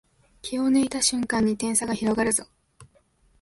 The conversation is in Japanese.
気を抜いた瞬間に点差が広がるぞ